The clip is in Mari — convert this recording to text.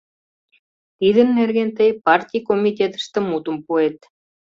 Тидын нерген тый партий комитетыште мутым пуэт.